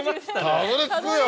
たどり着くよ。